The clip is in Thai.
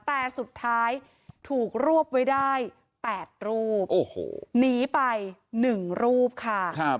แต่สุดท้ายถูกรวบไว้ได้๘รูปโอ้โหหนีไป๑รูปค่ะ